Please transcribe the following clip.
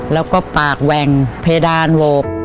แล้วก็ปากแหว่งเพดานโหวก